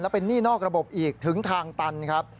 เป็นหนี้นอกระบบอีกถึงทางตันครับ